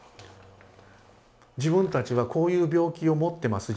自分たちはこういう病気を持ってます。